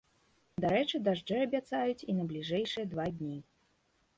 Дарэчы, дажджы абяцаюць і на бліжэйшыя два дні.